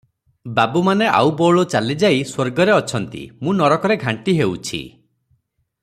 ବାବୁମାନେ ଆଉ ବଉଳ ଚାଲି ଯାଇ ସ୍ୱର୍ଗରେ ଅଛନ୍ତି, ମୁଁ ନରକରେ ଘାଣ୍ଟି ହେଉଛି ।